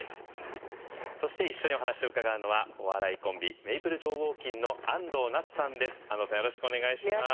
そして一緒にお話を伺うのはお笑いコンビメイプル超合金の安藤なつさんです。